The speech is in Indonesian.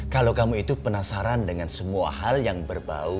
kalau kamu itu penasaran dengan semua hal yang berbau